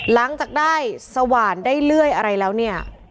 หลังจากได้สว่านได้เลื่อยอะไรแล้วเนี่ย